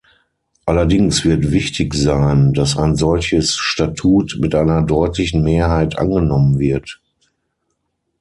Allerdings wird wichtig sein, dass ein solches Statut mit einer deutlichen Mehrheit angenommen wird.